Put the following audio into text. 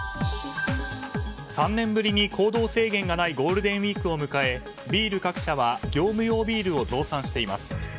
３年ぶりに行動制限がないゴールデンウィークを迎えビール各社は業務用ビールを増産しています。